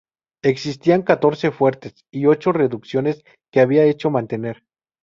Existían catorce fuertes y ocho reducciones que había hecho mantener.